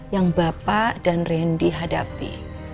yang bapak dan randy hadapi